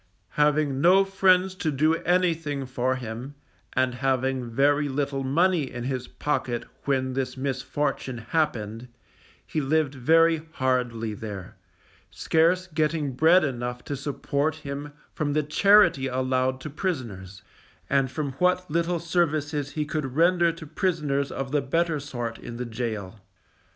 Having no friends to do anything for him, and having very little money in his pocket when this misfortune happened, he lived very hardly there, scarce getting bread enough to support him from the charity allowed to prisoners, and from what little services he could render to prisoners of the better sort in the gaol.